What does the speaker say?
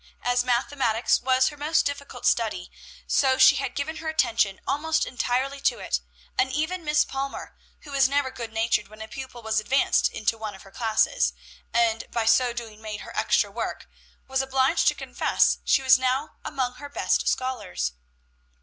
As mathematics was her most difficult study, so she had given her attention almost entirely to it; and even Miss Palmer, who was never good natured when a pupil was advanced into one of her classes, and by so doing made her extra work, was obliged to confess she was now among her best scholars.